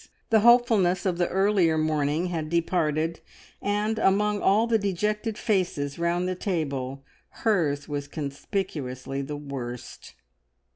The hopefulness of the earlier morning had departed, and among all the dejected faces round the table hers was conspicuously the worst.